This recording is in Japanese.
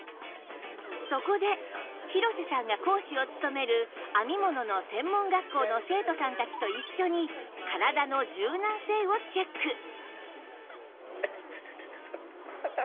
そこで広瀬さんが講師を務める編み物の専門学校の生徒さんたちと一緒に体の柔軟性をチェック